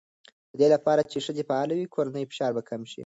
د دې لپاره چې ښځې فعاله وي، کورنی فشار به کم شي.